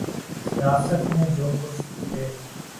سیاست میں جو کچھ تھے۔